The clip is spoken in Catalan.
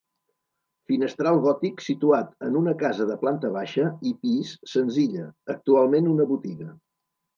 Finestral gòtic situat en una casa de planta baixa i pis senzilla, actualment una botiga.